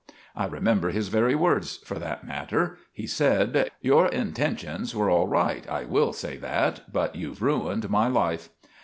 I remember his very words, for that matter. He said, "Your intenshuns were all right I will say that but you've ruined my life."